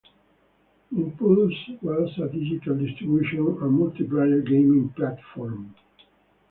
Impulse was a digital distribution and multiplayer gaming platform.